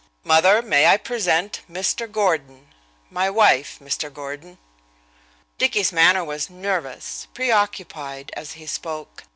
"Mother, may I present Mr. Gordon? My wife, Mr. Gordon." Dicky's manner was nervous, preoccupied, as he spoke.